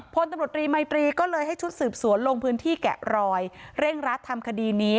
พลตำรวจรีมัยตรีก็เลยให้ชุดสืบสวนลงพื้นที่แกะรอยเร่งรัดทำคดีนี้